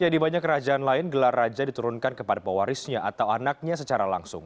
di banyak kerajaan lain gelar raja diturunkan kepada pewarisnya atau anaknya secara langsung